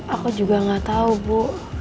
aku juga gak tahu bu